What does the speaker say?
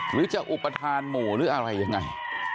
หรือจะอุปทานหมู่หรืออะไรยังไง